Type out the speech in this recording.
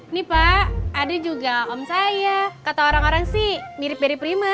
nih pak ada juga om saya kata orang orang sih mirip dari prima